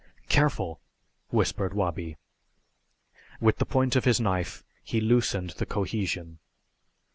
"Careful!" whispered Wabi. With the point of his knife he loosened the cohesion.